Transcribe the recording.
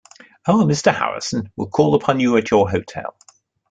Our Mr Howison will call upon you at your hotel.